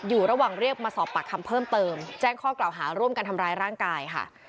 อยู่ระหว่างเรียกมาสอบปากคำเพิ่มเติมแจ้งข้อกล่าวหาร่วมกันทำร้ายร่างกายค่ะ